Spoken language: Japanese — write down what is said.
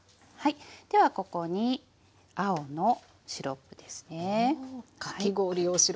ではここに青のシロップですね。